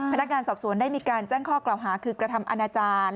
พนักงานสอบสวนได้มีการแจ้งข้อกล่าวหาคือกระทำอนาจารย์